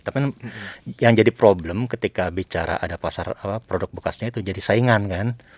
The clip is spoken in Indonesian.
tapi yang jadi problem ketika bicara ada pasar produk bekasnya itu jadi saingan kan